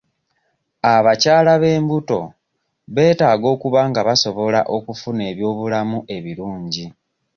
Abakyala b'embuto beetaaga okuba nga basobola okufuna eby'obulamu ebirungi.